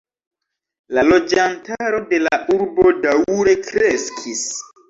La loĝantaro de la urbo daŭre kreskis.